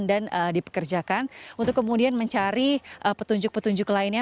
ini adalah hal yang telah dipekerjakan untuk kemudian mencari petunjuk petunjuk lainnya